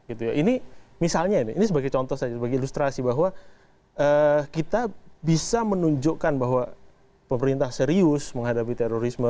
ini misalnya ini sebagai contoh saja sebagai ilustrasi bahwa kita bisa menunjukkan bahwa pemerintah serius menghadapi terorisme